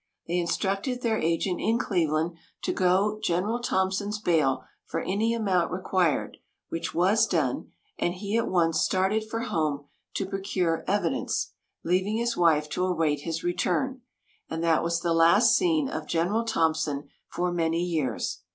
They instructed their agent in Cleveland to go General Thompson's bail for any amount required, which was done, and he at once started for home to procure evidence, leaving his wife to await his return, and that was the last seen of General Thompson for many years.